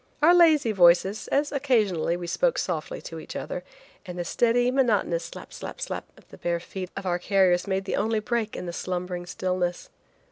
Our lazy voices, as occasionally we spoke softly to each other, and the steady, monotonous slap slap slap of the bare feet of our carriers made the only break in the slumbering stillness.